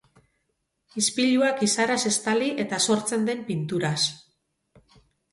Ispiluak izaraz estali eta sortzen den pinturaz.